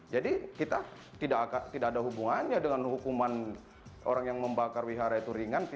jadi kita tidak ada hubungannya dengan hukuman orang yang membakar wihara itu ringan